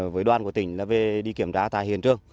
với đoàn của tỉnh là về đi kiểm tra tại hiện trường